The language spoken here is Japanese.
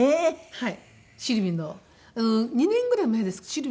はい。